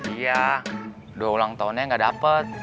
iya doa ulang tahunnya gak dapet